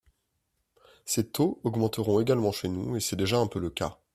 Ces taux augmenteront également chez nous, et c’est déjà un peu le cas.